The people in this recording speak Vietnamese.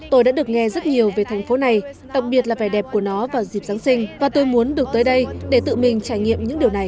tôi đã được nghe rất nhiều về thành phố này đặc biệt là vẻ đẹp của nó vào dịp giáng sinh và tôi muốn được tới đây để tự mình trải nghiệm những điều này